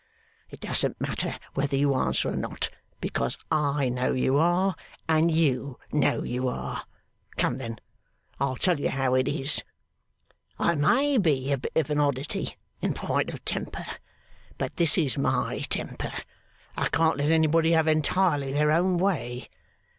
It doesn't matter whether you answer or not, because I know you are, and you know you are. Come, then, I'll tell you how it is. I may be a bit of an oddity in point of temper, but this is my temper I can't let anybody have entirely their own way.